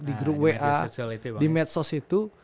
di grup wa di medsos itu